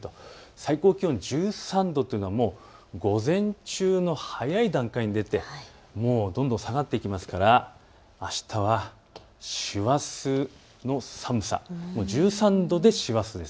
最高気温１３度というのは午前中の早い段階で出てもうどんどん下がっていきますからあしたは師走の寒さ１３度で師走です。